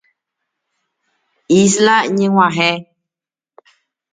Isla ñeg̃uahẽ.